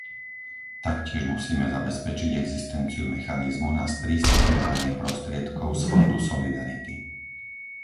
Taktiež musíme zabezpečiť existenciu mechanizmu na sprístupňovanie prostriedkov z Fondu solidarity.